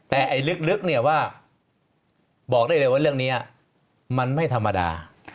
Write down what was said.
แต่ลึกเนี่ยว่าบอกได้เลยว่าเรื่องนี้มันไม่ธรรมดา